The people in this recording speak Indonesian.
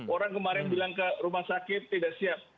orang kemarin bilang ke rumah sakit tidak siap